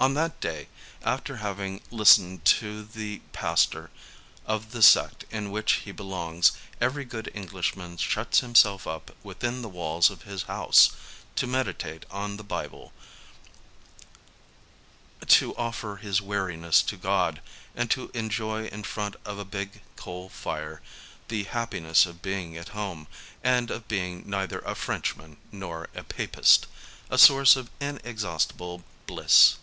On that day, after having listened to the pastor of the sect to which he belongs, every good Englishman shuts himself up within the walls of his house to meditate on the Bible, to oiFer his weariness to God and to enjoy in front of a big coal iire the happiness of being at home, and of being neither a Frenchman nor a Papist, — a source of inexhausti ble bliss.